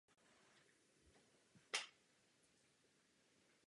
Prospívá mu úrodná půdy a celodenní sluneční svit.